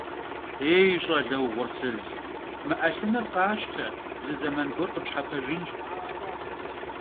Yêy, ş'ale vuğursız, mı 'elhınır khaşte, zı zeman guer khıpşhepejjınş.